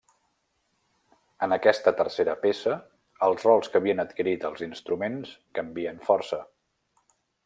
En aquesta tercera peça els rols que havien adquirit els instruments canvien força.